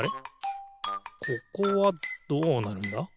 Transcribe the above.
ここはどうなるんだ？